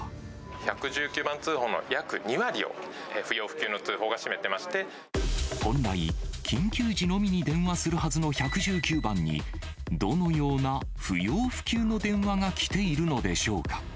１１９番通報の約２割を、本来、緊急時のみに電話するはずの１１９番に、どのような不要不急の電話が来ているのでしょうか。